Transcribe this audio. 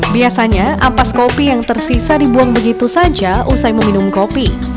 biasanya ampas kopi yang tersisa dibuang begitu saja usai meminum kopi